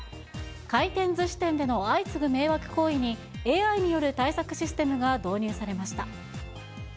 回転ずし店での相次ぐ迷惑行為に、ＡＩによる対策システムが導入されました。